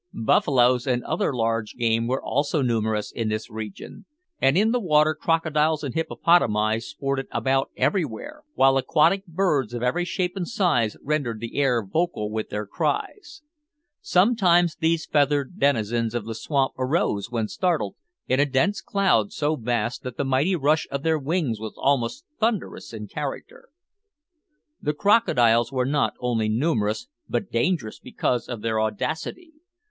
Buffaloes and other large game were also numerous in this region, and in the water crocodiles and hippopotami sported about everywhere, while aquatic birds of every shape and size rendered the air vocal with their cries. Sometimes these feathered denizens of the swamp arose, when startled, in a dense cloud so vast that the mighty rush of their wings was almost thunderous in character. The crocodiles were not only numerous but dangerous because of their audacity.